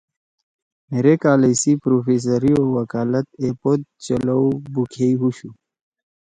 مھیرے کالج سی پروفیسری او وکالت ایپود چلؤ بُوکھیئی ہُوشُو